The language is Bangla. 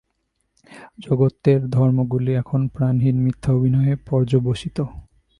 জগতের ধর্মগুলি এখন প্রাণহীন মিথ্যা অভিনয়ে পর্যবসিত।